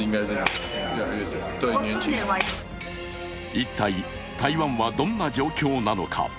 一体、台湾はどんな状況なのか。